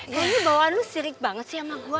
gue ini bawaan lu sirik banget sih sama gue